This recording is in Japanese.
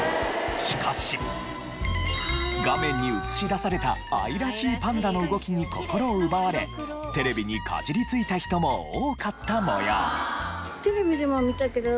しかし画面に映し出された愛らしいパンダの動きに心を奪われテレビにかじりついた人も多かった模様。